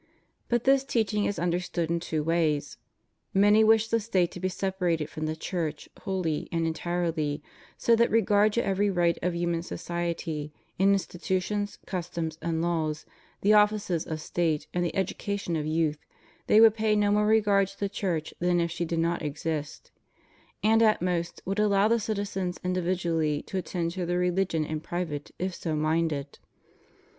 But this teaching is understood in two ways. Many wish the State to be separated from the Church wholly and entirely, so that regard to every right of human society, in institutions, customs, and laws, the offices of State, and the education of youth, they would pay no more regard to the Church than if she did not exist; and, at most, would allow the citizens individually to attend to their religion in private if so minded.